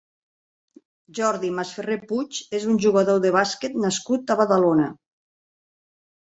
Jordi Masferrer Puig és un jugador de bàsquet nascut a Badalona.